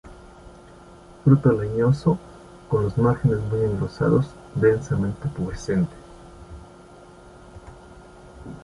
Fruto leñoso, con los márgenes muy engrosados, densamente pubescente.